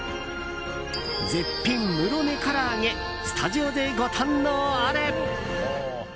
絶品、室根からあげスタジオでご堪能あれ。